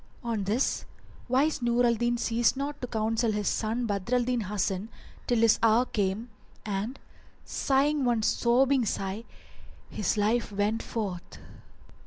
On this wise Nur al Din ceased not to counsel his son Badr al Din Hasan till his hour came and, sighing one sobbing sigh, his life went forth.